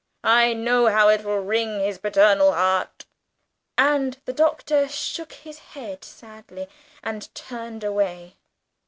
I know how it will wring his paternal heart!" and the Doctor shook his head sadly, and turned away.